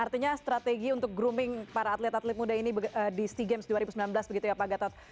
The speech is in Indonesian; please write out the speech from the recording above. artinya strategi untuk grooming para atlet atlet muda ini di sea games dua ribu sembilan belas begitu ya pak gatot